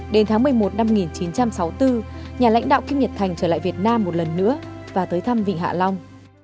đến tháng một mươi một năm một nghìn chín trăm sáu mươi bốn nhà lãnh đạo kim nhật thành trở lại việt nam một lần nữa và tới thăm vịnh hạ long